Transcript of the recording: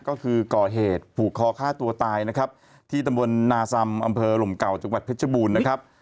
ก็คือก่อเหตุผูกคอฆ่าตัวตายนะครับที่ตำบลนาซำอำเภอหลมเก่าจังหวัดเพชรบูรณ์นะครับ